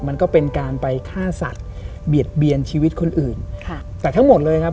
มันก็เป็นการไปฆ่าสัตว์เบียดเบียนชีวิตคนอื่นค่ะแต่ทั้งหมดเลยครับ